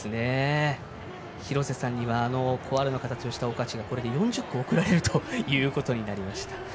ひろせさんにはコアラの形をしたお菓子が４０個贈られるということになりました。